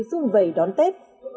chung vầy đón tết